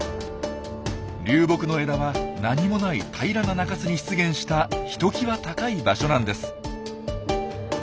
流木の枝は何もない平らな中州に出現したひときわ高い場所なんです。